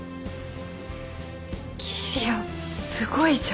桐矢すごいじゃん。